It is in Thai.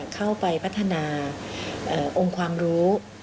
เข้าไปพัฒนาองค์ความรู้